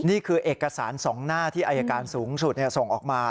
นี่คือเอกสาร๒หน้าที่อายการสูงสุดส่งออกมา